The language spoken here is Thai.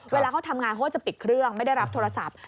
เวลาเขาทำงานเขาก็จะปิดเครื่องไม่ได้รับโทรศัพท์